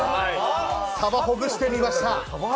さばほぐしてみました。